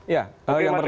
ya yang pertama